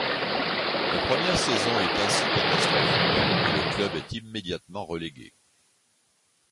La première saison est ainsi catastrophique et le club est immédiatement relégué.